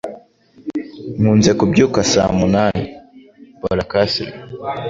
Nkunze kubyuka saa munani. (boracasli)